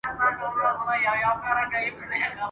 پیر مغان له ریاکاره سره نه جوړیږي ..